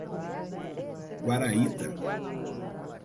Guaraíta